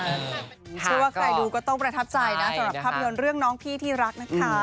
เชื่อว่าใครดูก็ต้องประทับใจนะสำหรับภาพยนตร์เรื่องน้องพี่ที่รักนะคะ